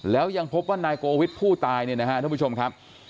แล้วยังพบว่านายโกวิทย์ผู้ตายเนี่ยนะครับทุกผู้ชมครับ